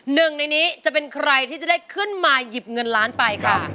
หนึ่งในนี้จะเป็นใครที่จะได้ขึ้นมาหยิบเงินล้านไปค่ะ